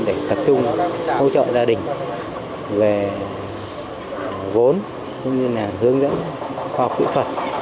để tập trung hỗ trợ gia đình về vốn hướng dẫn khoa học kỹ thuật